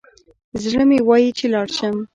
زړه مي وايي چي لاړ شم